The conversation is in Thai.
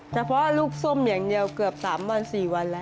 เฉพาะลูกส้มอย่างเดียวเกือบ๓วัน๔วันแล้ว